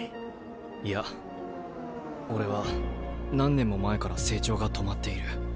いや俺は何年も前から成長が止まっている。